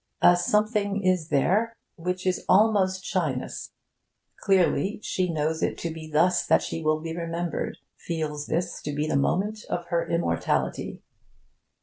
A something is there which is almost shyness. Clearly, she knows it to be thus that she will be remembered; feels this to be the moment of her immortality.